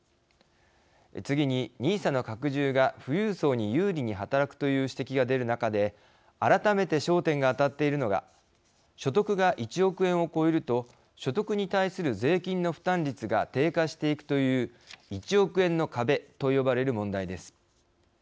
次にＮＩＳＡの拡充が富裕層に有利に働くという指摘が出る中で改めて焦点が当たっているのが所得が１億円を超えると所得に対する税金の負担率が低下していくという１億円の壁と呼ばれる問題です。